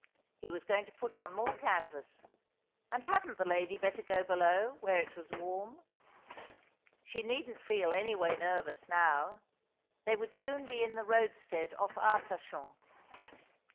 He was going to put on more canvas : and hadn't the lady better go below, where it was warm. She needn't feel anyway nervous now. They would soon be in the roadstead off Arcachon.